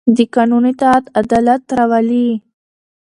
د قانون اطاعت عدالت راولي